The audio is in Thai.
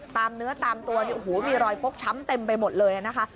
ตามเนื้อตามตัวมีรอยโฟกช้ำเต็มไปหมดเลยนะคะ